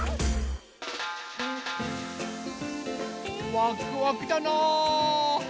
ワクワクだなぁ。